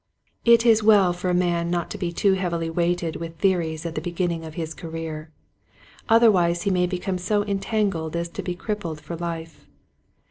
It is well for a man not to be too heav ily weighted with theories at the beginning of his career. Otherwise he may become so entangled as to be crippled for life.